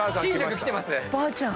ばあちゃん。